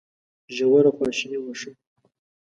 ژوره خواشیني وښيي.